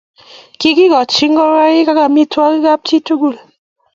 kikikochi ngoroi ak amitwakik kap chit tugu